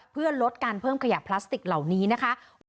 เพื่อลดการเพิ่มขยะพลาสติกเหล่านี้นะคะ